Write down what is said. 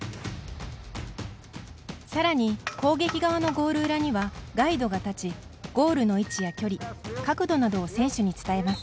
さらに攻撃側のゴールの裏にはガイドが立ちゴールの位置や距離、角度などを選手に伝えます。